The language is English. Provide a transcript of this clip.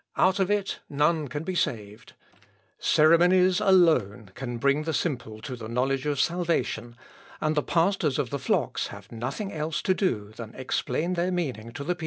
Out of it none can be saved. Ceremonies alone can bring the simple to the knowledge of salvation, and the pastors of the flocks have nothing else to do than explain their meaning to the people."